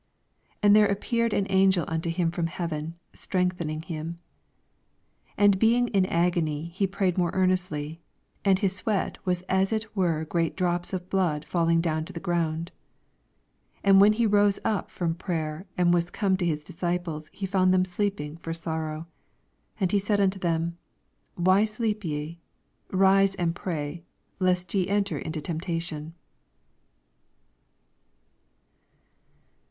43 And there appeared an angel unto him from heaven, strengthening him. 44 And being in an agony he prayed more earnestly : and his sweat was as it were great drops of blood falling down to the ground. 45 And when he rose np from prayer, and was come to his disciples, he found them sleeping for sorrow, 46 And said unto them. Why sleep ye ? rise and pray, lest ye enter into temptation.